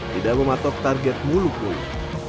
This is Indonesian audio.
tidak mematok target muluk muluk